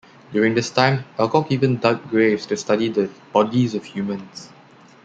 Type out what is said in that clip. During this time Alcock even dug graves to study the bodies of humans.